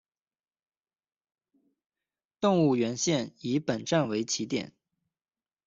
动物园线以本站为起点。